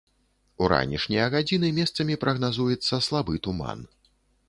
У ранішнія гадзіны месцамі прагназуецца слабы туман.